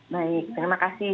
baik terima kasih